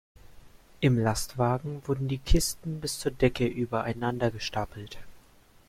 Im Lastwagen wurden die Kisten bis zur Decke übereinander gestapelt.